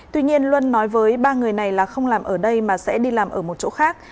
tuy nhiên luân nói với ba người này là không làm ở đây mà sẽ đi làm ở một chỗ khác